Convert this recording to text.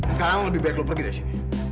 sekarang lebih baik lo pergi dari sini